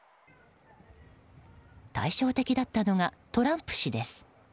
対照的だったのがトランプ氏です。